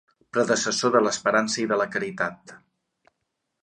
Predecessor de l'esperança i de la caritat.